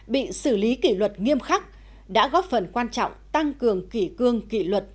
bị xử lý kỷ luật nghiêm khắc đã góp phần quan trọng tăng cường kỷ cương kỷ luật